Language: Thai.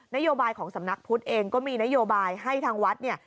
นโยบายของสำนักพุทธเองก็มีนโยบายให้ทางวัดเนี่ย